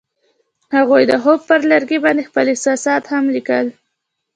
هغوی د خوب پر لرګي باندې خپل احساسات هم لیکل.